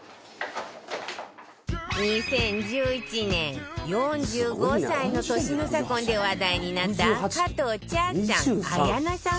２０１１年４５歳の年の差婚で話題になった加藤茶さん綾菜さん夫妻